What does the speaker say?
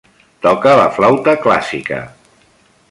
Toca la flauta clàssica.